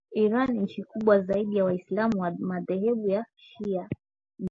Iran nchi kubwa zaidi ya waislamu wa madhehebu ya shia duniani